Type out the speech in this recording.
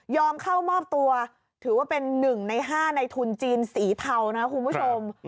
ยอมเข้ามอบตัวถือว่าเป็นหนึ่งในห้าในทุนจีนสีเทานะครับคุณผู้ชมอืม